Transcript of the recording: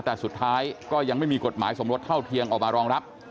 แต่สุดท้ายก็ยังไม่มีกฎหมายสมรสเท่าเทียมออกมารองรับ